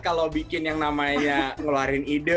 kalau bikin yang namanya ngeluarin ide